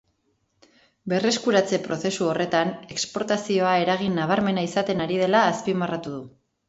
Berreskuratze prozesu horretan exportazioa eragin nabarmena izaten ari dela azpimarratu du.